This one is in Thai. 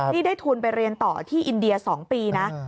นี่ได้ทุนไปเรียนต่อที่อินเดีย๒ปีนะ